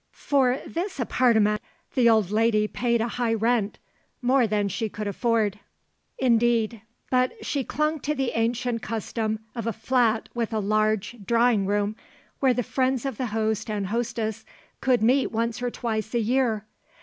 For this 'appartement' the old lady paid a high rent more than she could afford, indeed; but she clung to the ancient custom of a flat with a large drawing room, where the friends of the host and hostess could meet once or twice a year.